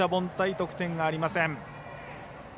得点がありません。